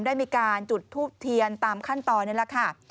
ได้มีการจุดทูบเทียนตามขั้นตอนนี่แหละค่ะ